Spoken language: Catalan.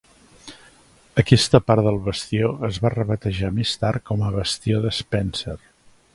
Aquesta part del bastió es va rebatejar més tard com a Bastió de Spencer.